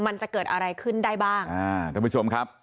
มันจะเกิดอะไรขึ้นได้บ้างอ่าท่านผู้ชมครับ